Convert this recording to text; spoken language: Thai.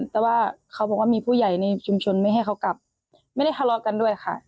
แต่ว่าเขาบอกว่ามีผู้ใหญ่ในชุมชนไม่ให้เขากลับไม่ได้ทะเลาะกันด้วยค่ะ